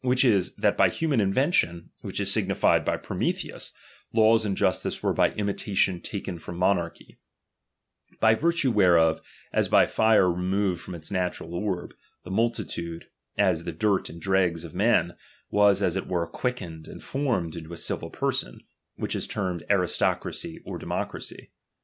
Which is, that by human ^H invention, which is aignitied by Prumelheus, laws and justice were ^H by imitation taken from monarchy; by virtue whereof, as by fire ^H removed from its natural orb, the multitude, as the dirt and dregs ^H at men, was as it were quickened and formed into a civil person ; ^H which is termed aristocracy or democracy.